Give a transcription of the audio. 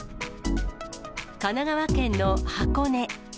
神奈川県の箱根。